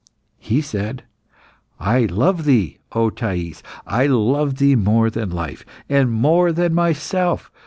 He said "I love thee, O Thais! I love thee more than my life, and more than myself.